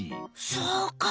そうか。